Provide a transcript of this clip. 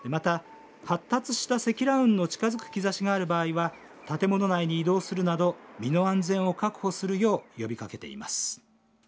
また、発達した積乱雲の近づく兆しがある場合は建物内に移動するなど身の安全を確保するよう呼びかけています。